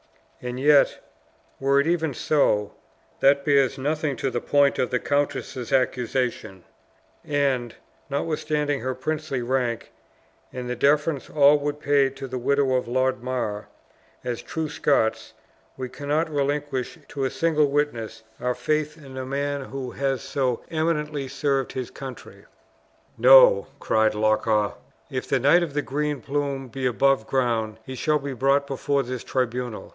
And yet, were it even so, that bears nothing to the point of the countess' accusation; and, notwithstanding her princely rank, and the deference all would pay to the widow of Lord Mar, as true Scots, we cannot relinquish to a single witness our faith in a man who has so eminently served his country." "No," cried Loch awe; "if the Knight of the Green Plume be above ground, he shall be brought before this tribunal.